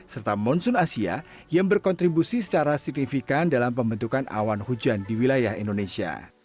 serta monsoon asia yang berkontribusi secara signifikan dalam pembentukan awan hujan di wilayah indonesia